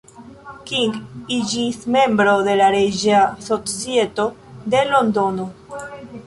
King iĝis membro de la Reĝa Societo de Londono.